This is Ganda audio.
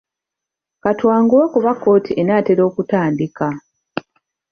Ka twanguwe kuba kkooti enaatera okutandika.